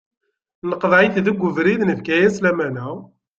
Neqḍeɛ-it deg ubrid nefka-as lamana.